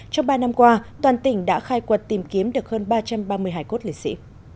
trong ba năm qua toàn tỉnh đã khai quật tìm kiếm được hơn ba trăm ba mươi hải cốt lễ sĩ